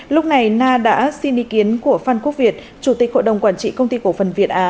lúc này na đã xin ý kiến của phan quốc việt chủ tịch hội đồng quản trị công ty cổ phần việt á